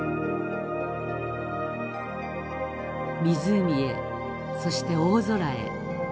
湖へそして大空へ。